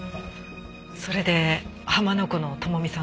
それで浜名湖の朋美さんの元へ？